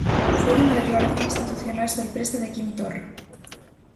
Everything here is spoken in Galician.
Foi unha declaración institucional sorpresa de Quim Torra.